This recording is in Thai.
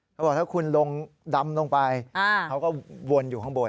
เขาบอกถ้าคุณลงดำลงไปเขาก็วนอยู่ข้างบน